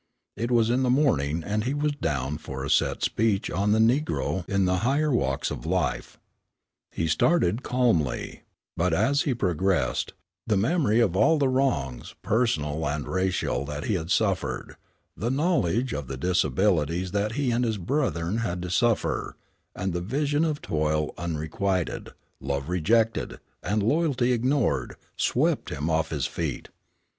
It was in the morning, and he was down for a set speech on "The Negro in the Higher Walks of Life." He started calmly, but as he progressed, the memory of all the wrongs, personal and racial that he had suffered; the knowledge of the disabilities that he and his brethren had to suffer, and the vision of toil unrequited, love rejected, and loyalty ignored, swept him off his feet.